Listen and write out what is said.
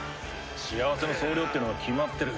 幸せの総量ってのは決まってる。